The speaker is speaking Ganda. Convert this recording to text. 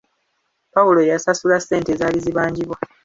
Pawulo yasasula ssente ezaali zibanjibwa.